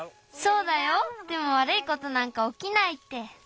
そうだよでもわるいことなんかおきないって。